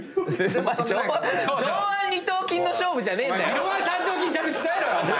ぎの腕三頭筋ちゃんと鍛えろよ！